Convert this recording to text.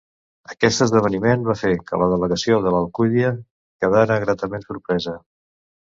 Aquest esdeveniment va fer que la delegació de l'Alcúdia quedara gratament sorpresa.